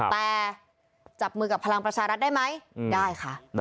แต่จับมือกับพลังประชารัฐได้ไหมได้ค่ะ